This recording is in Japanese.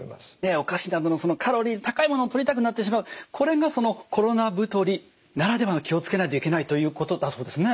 お菓子などのカロリーの高いものをとりたくなってしまうこれがそのコロナ太りならではの気を付けないといけないということだそうですね。